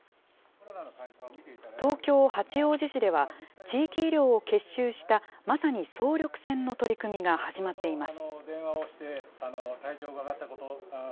東京・八王子市では、地域医療を結集した、まさに総力戦の取り組みが始まっています。